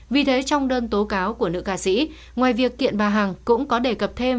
vì thế trong đơn tố cáo của nữ ca sĩ ngoài việc kiện bà hằng cũng có đề cập thêm